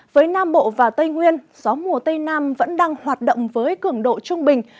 với nam bộ và tây nguyên gió mùa tây nam vẫn đang hoạt động với cường độ trung bình